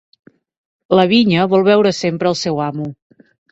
La vinya vol veure sempre el seu amo.